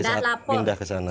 saya tidak mau lapor